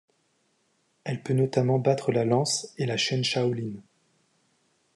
Elle peut notamment battre la lance, et la chaîne Shaolin.